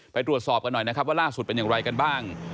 ตรวจสอบกันหน่อยนะครับว่าล่าสุดเป็นอย่างไรกันบ้าง